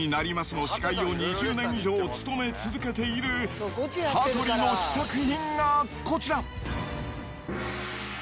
の司会を２０年以上務め続けている羽鳥の試作品がこちら。